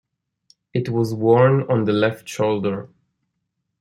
It is worn on the left shoulder.